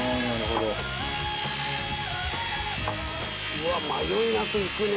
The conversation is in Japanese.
うわっ迷いなくいくね。